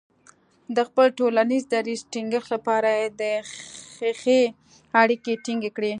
د خپل ټولنیز دریځ ټینګښت لپاره یې د خیښۍ اړیکې ټینګې کړې.